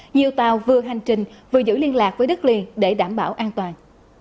nhiều tàu vừa hành trình vừa giữ liên lạc với đất liền để đảm bảo an toàn